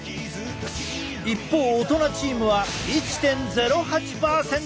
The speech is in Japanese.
一方大人チームは１．０８％。